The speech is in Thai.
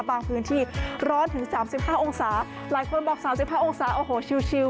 บางพื้นที่ร้อนถึงสามสิบห้าองศาหลายคนบอกสามสิบห้าองศาโอ้โหชิล